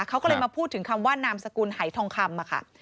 เขาก็เลยมาพูดถึงคำว่านามสกุลหายทองคำค่ะ